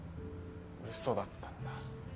嘘だったんだ。